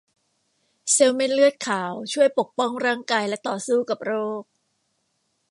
เซลล์เม็ดเลือดขาวช่วยปกป้องร่างกายแและต่อสู้กับโรค